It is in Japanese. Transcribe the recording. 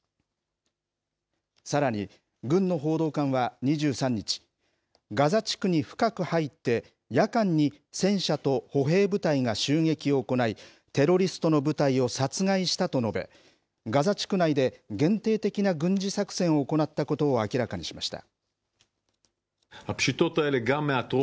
さらに、軍の報道官は２３日、ガザ地区に深く入って、夜間に戦車と歩兵部隊が襲撃を行い、テロリストの部隊を殺害したと述べ、ガザ地区内で限定的な軍事作戦を行ったことを明らかにしました。